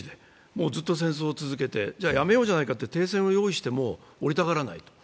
もうずっと戦争を続けてじゃあやめようじゃないかと停戦を用意しても降りたがらない。